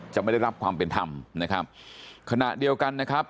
ไม่ได้รับความเป็นธรรมนะครับขณะเดียวกันนะครับ